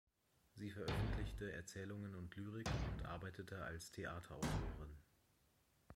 Sie veröffentlichte Erzählungen und Lyrik und arbeitete als Theaterautorin.